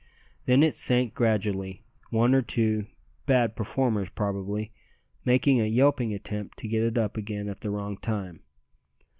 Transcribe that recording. Then it sank gradually, one or two (bad performers probably) making a yelping attempt to get it up again at the wrong time.